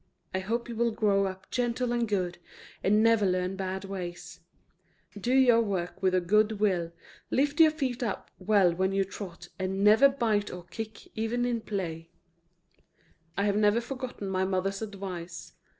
I hope you will grow up gentle and good, and never learn bad ways; do your work with a good will, lift your feet up well when you trot, and never bite or kick even in play." I have never forgotten my mother's advice.